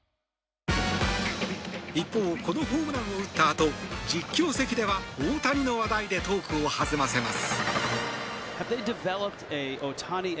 一方、このホームランを打ったあと実況席では、大谷の話題でトークを弾ませます。